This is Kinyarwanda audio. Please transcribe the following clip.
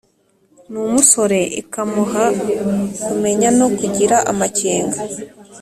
N’umusore ikamuha kumenya no kugira amakenga,